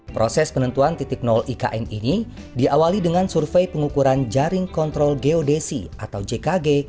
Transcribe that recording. proses penentuan titik nol ikn ini diawali dengan survei pengukuran jaring kontrol geodesi atau jkg